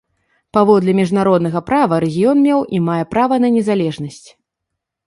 Паводле міжнароднага права рэгіён меў і мае права на незалежнасць.